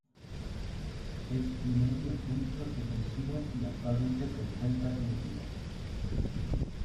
Es mediocentro defensivo y actualmente se encuentra sin equipo.